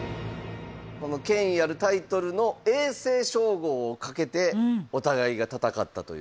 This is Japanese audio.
この権威あるタイトルの永世称号をかけてお互いが戦ったという。